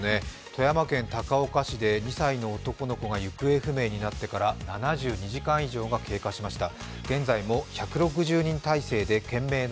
富山県高岡市で２歳の男の子が行方不明になってから７２時間以上が経過しました。